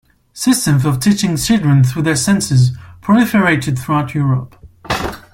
Systems of teaching children through their senses proliferated throughout Europe.